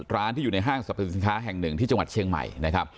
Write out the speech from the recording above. ร้านที่อยู่ในห้างสรรพสินค้าแห่งหนึ่งที่จังหวัดเชียงใหม่นะครับ